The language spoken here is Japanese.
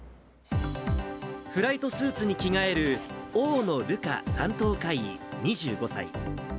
フライトスーツに着替える、大野瑠華３等海尉２５歳。